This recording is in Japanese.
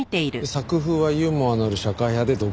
作風はユーモアのある社会派で毒が強め。